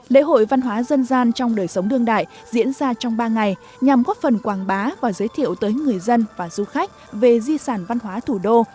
lễ hội văn hóa dân gian trong đời sống đương đại diễn ra trong ba ngày nhằm góp phần quảng bá và giới thiệu tới người dân và du khách về di sản văn hóa thủ đô